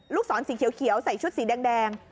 ศรสีเขียวใส่ชุดสีแดง